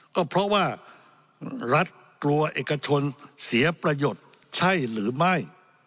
ก็เพราะว่ารัฐกลัวเอกชนเสียประโยชน์ใช่หรือไม่